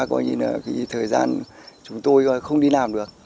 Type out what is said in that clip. thì thời gian chúng tôi không đi làm được